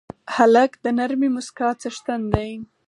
هلک د نرمې موسکا څښتن دی.